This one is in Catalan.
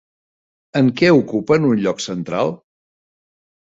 En què ocupen un lloc central?